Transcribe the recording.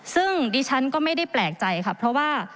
ซึ่งดิฉันก็ไม่ได้แปลกใจค่ะเพราะว่า